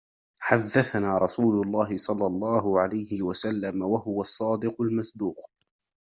حدَّثنا رسولُ اللهِ صَلَّى اللهُ عَلَيْهِ وَسَلَّمَ، وهو الصَّادِقُ المصْدُوقُ: